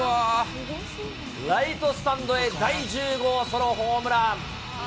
ライトスタンドへ第１０号ソロホームラン。